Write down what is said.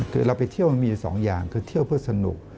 คือเราไปเที่ยวมี๒อย่างคือเที่ยวเพื่อสนุก